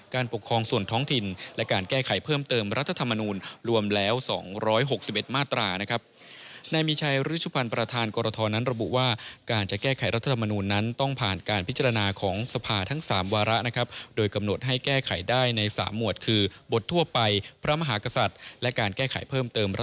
การปกครองส่วนท้องถิ่นและการแก้ไขเพิ่มเติมรัฐธรรมนูญรวมแล้วสองร้อยหกสิบเอ็ดมาตรานะครับ